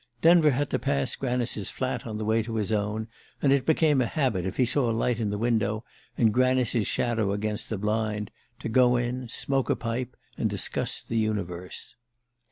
Denver had to pass Granice's flat on the way to his own, and it became a habit, if he saw a light in the window, and Granice's shadow against the blind, to go in, smoke a pipe, and discuss the universe.